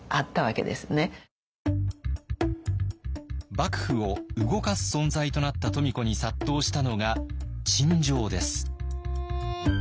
幕府を動かす存在となった富子に殺到したのが陳情です。